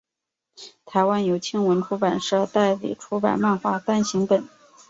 台湾由青文出版社代理出版漫画单行本。